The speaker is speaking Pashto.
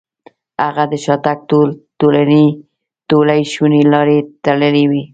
هغه د شاته تګ ټولې شونې لارې تړلې وې.